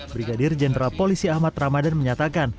brigadir jenderal polisi ahmad ramadan menyatakan